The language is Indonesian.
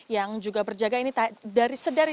yang juga berjaga ini dari sedari